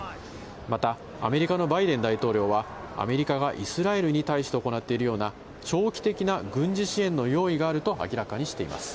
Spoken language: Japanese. またアメリカのバイデン大統領は、アメリカがイスラエルに対して行っているような、長期的な軍事支援の用意があると明らかにしています。